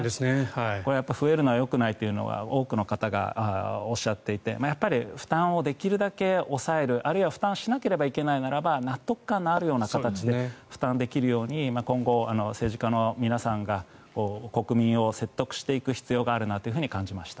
これは増えるのはよくないというのは多くの方がおっしゃっていて負担をできるだけ抑えるあるいは負担しなければいけないのならば納得感のあるような形で負担できるように今後、政治家の皆さんが国民を説得していく必要があるなと感じました。